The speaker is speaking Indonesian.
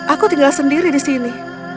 aku tinggal sendiriku